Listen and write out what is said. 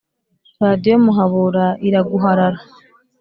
radiyo muhabura iraguharara